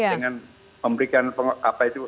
dengan memberikan penguasa